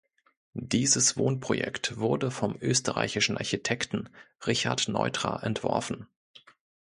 Dieses Wohnprojekt wurde vom österreichischen Architekten Richard Neutra entworfen.